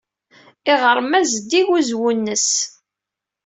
Iɣrem-a zeddig uzwu-nnes.